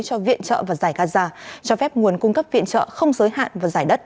cho viện trợ và giải gaza cho phép nguồn cung cấp viện trợ không giới hạn và giải đất